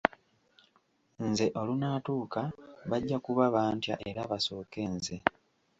Nze olunaatuuka bajja kuba bantya era basooke nze.